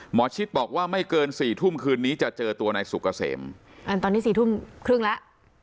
หมอชิดบอกว่าไม่เกินสี่ทุ่มคืนนี้จะเจอตัวนายสุกเกษมตอนนี้สี่ทุ่มครึ่งแล้ว